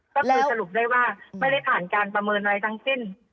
ก็คือสรุปได้ว่าไม่ได้ผ่านการประเมินอะไรทั้งสิ้น